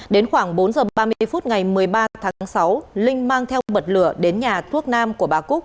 đến khoảng bốn giờ ba mươi phút ngày một mươi ba tháng sáu linh mang theo bật lửa đến nhà thuốc nam của bà cúc